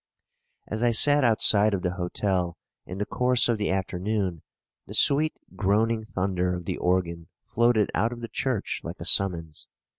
As I sat outside of the hotel in the course of the afternoon, the sweet groaning thunder of the organ floated out of the church like a summons.